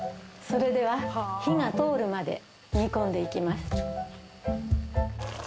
それでは火が通るまで煮込んでいきます。